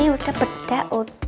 hanya bersropan seperti biksu itu